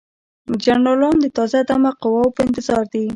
جنرالان د تازه دمه قواوو په انتظار دي.